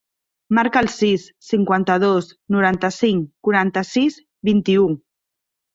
Marca el sis, cinquanta-dos, noranta-cinc, quaranta-sis, vint-i-u.